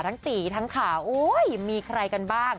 ทั้งตีทั้งขาโอ้โหมีใครกันบ้าง